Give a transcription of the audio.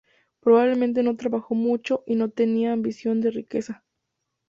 Probablemente no trabajó mucho y no tenía ambición de riqueza.